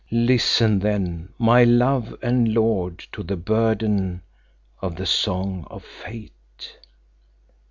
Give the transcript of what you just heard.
"Listen then, my love and lord, to the burden of the Song of Fate."